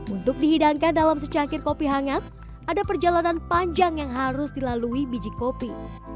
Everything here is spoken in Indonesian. untuk dihidangkan dalam secangkir kopi hangat ada perjalanan panjang yang harus dilalui biji kopi